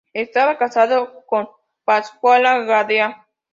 Estaba casado con Pascuala Gadea.